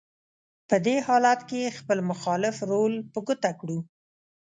په دې حالت کې خپل مخالف رول په ګوته کړو: